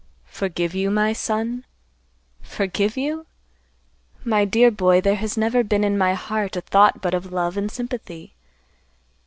"Forgive you, my son? Forgive you? My dear boy, there has never been in my heart a thought but of love and sympathy.